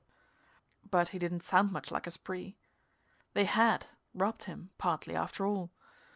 But he didn't sound much like a spree. They had, robbed him, partly, after all.